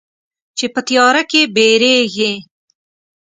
چې په تیاره کې بیریږې